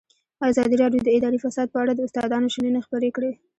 ازادي راډیو د اداري فساد په اړه د استادانو شننې خپرې کړي.